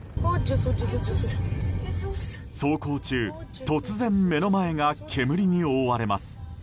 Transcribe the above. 走行中突然、目の前が煙に覆われます。